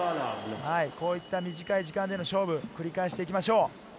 こういった短い時間での勝負、繰り返していきましょう。